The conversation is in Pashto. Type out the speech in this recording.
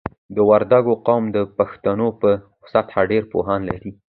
د وردګو قوم د پښتنو په سطحه ډېر پوهان لري.